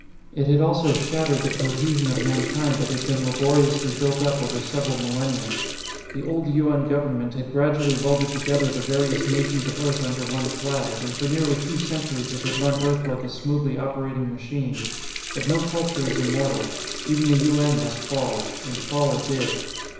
It had also shattered the cohesion of Mankind that had been laboriously built up over several millennia. The old U.N. government had gradually welded together the various nations of Earth under one flag, and for nearly two centuries it had run Earth like a smoothly operating machine. But no culture is immortal; even the U.N. must fall, and fall it did.